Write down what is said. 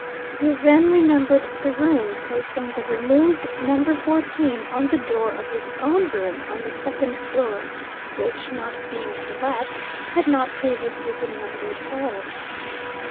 He then re numbered the room; placing the removed Number Fourteen on the door of his own room (on the second floor), which, not being to let, had not previously been numbered at all.